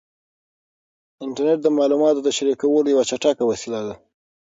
انټرنیټ د معلوماتو د شریکولو یوه چټکه وسیله ده.